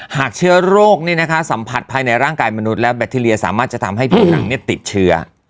หากเชื้อโรคสัมผัสภายในร่างกายมนุษย์แล้วแบคทีเรียสามารถจะทำให้ผิวหนังติดเชื้อ